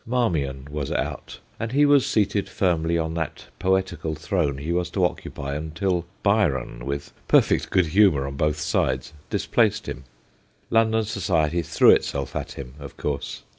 Marmion was out, and he was seated firmly on that poetical throne he was to occupy until Byron, with perfect good humour on both sides, displaced him London society threw itself at him, of course.